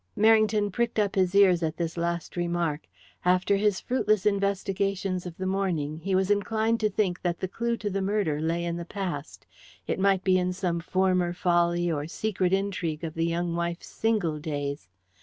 Merrington pricked up his ears at this last remark. After his fruitless investigations of the morning he was inclined to think that the clue to the murder lay in the past it might be in some former folly or secret intrigue of the young wife's single days.